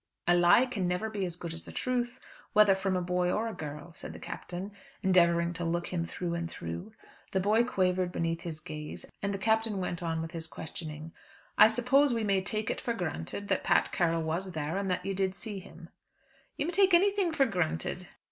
"A lie can never be as good as the truth, whether from a boy or a girl," said the Captain, endeavouring to look him through and through. The boy quavered beneath his gaze, and the Captain went on with his questioning. "I suppose we may take it for granted that Pat Carroll was there, and that you did see him?" "You may take anything for granted."